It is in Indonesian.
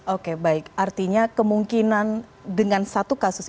oke baik artinya kemungkinan dengan satu kasus